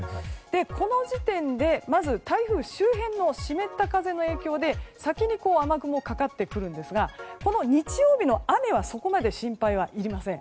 この時点で台風周辺の湿った風の影響で先に雨雲がかかってくるんですが日曜日の雨はそこまで心配はいりません。